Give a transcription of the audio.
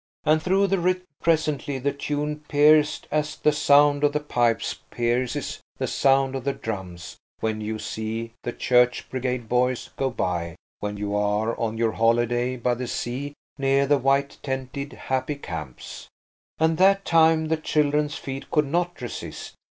And through the rhythm presently the tune pierced, as the sound of the pipes pierces the sound of the drums when you see the Church Brigade boys go by when you are on your holiday by the sea near their white tented, happy camps. And that time the children's feet could not resist.